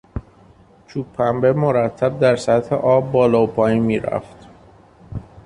چوب پنبه مرتب در سطح آب بالا و پایین میرفت.